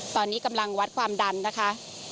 ตอนนี้กำลังวัดความดันนะคะ